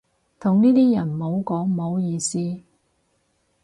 同呢啲人唔好講唔好意思